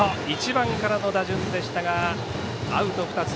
１番からの打順でしたがアウト２つ。